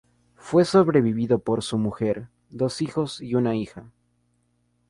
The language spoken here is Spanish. Fue sobrevivido por su mujer, dos hijos y una hija.